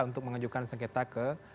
untuk mengajukan sengketa ke